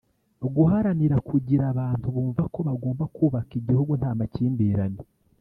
guharanira kugira abantu bumva ko bagomba kubaka igihugu nta makimbirane